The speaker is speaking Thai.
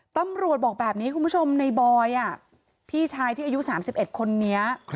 ตำรวจบอกแบบนี้คุณผู้ชมในบอยพี่ชายที่อายุ๓๑คนนี้